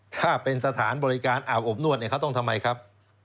ถ้าเป็นสถานบริการอาบอบนวดเนี่ยเขาต้องทำไมครับ